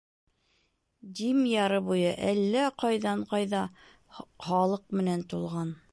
Дим яры буйы әллә ҡайҙан-ҡайҙа халыҡ менән тулған.